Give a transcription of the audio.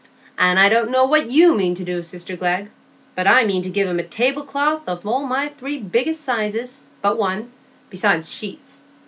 And I don't know what you mean to do, sister Glegg, but I mean to give him a tablecloth of all my three biggest sizes but one, besides sheets.